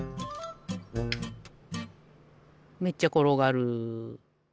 めっちゃころがる。